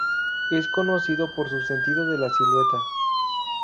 Es conocido por su sentido de la silueta.